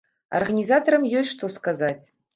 Арганізатарам ёсць што сказаць!